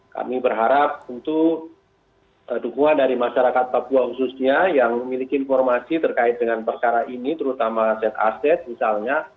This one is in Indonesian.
kami berharap tentu dukungan dari masyarakat papua khususnya yang memiliki informasi terkait dengan perkara ini terutama aset aset misalnya